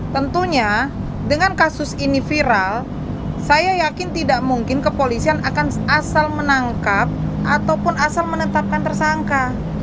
tentunya dengan kasus ini viral saya yakin tidak mungkin kepolisian akan asal menangkap ataupun asal menetapkan tersangka